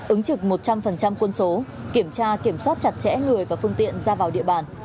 ứng trực một trăm linh quân số kiểm tra kiểm soát chặt chẽ người và phương tiện ra vào địa bàn